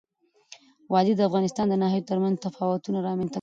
وادي د افغانستان د ناحیو ترمنځ تفاوتونه رامنځ ته کوي.